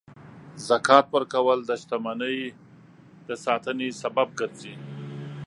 زکات ورکول د شتمنۍ د ساتنې سبب ګرځي.